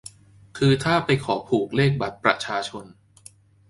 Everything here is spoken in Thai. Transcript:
คือถ้าไปขอผูกเลขบัตรประชาชน